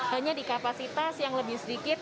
hanya di kapasitas yang lebih sedikit